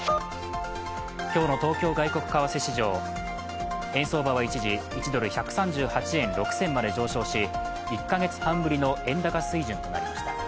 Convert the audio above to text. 今日の東京外国為替市場、円相場は一時１ドル＝１３８円６銭まで上昇し１か月半ぶりの円高水準となりました。